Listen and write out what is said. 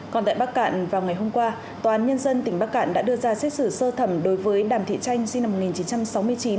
còn tại bắc cạn vào ngày hôm qua tòa án nhân dân tỉnh bắc cạn đã đưa ra xét xử sơ thẩm đối với đàm thị tranh sinh năm một nghìn chín trăm sáu mươi chín